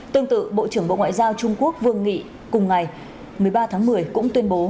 tương tự bộ trưởng bộ ngoại giao trung quốc vương nghị cùng ngày một mươi ba tháng một mươi cũng tuyên bố